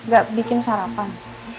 gak bikin sarapan